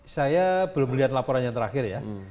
saya belum lihat laporan yang terakhir ya